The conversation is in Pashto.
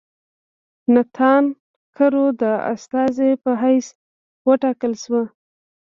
ناتان کرو د استازي په حیث وټاکل شو.